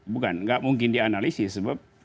bukan nggak mungkin dianalisis sebab